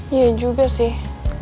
iya juga sih